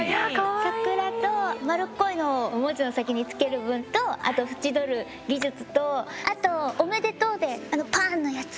桜と丸っこいのを文字の先につける分とあと縁取る技術とあと「おめでとう」であのパーンのやつ。